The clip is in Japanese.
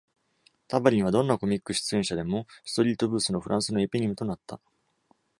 「タバリン」は、どんなコミック出演者でもストリートブースのフランスのエピニムとなった。